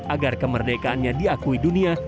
agar kemerdekaannya diakui dunia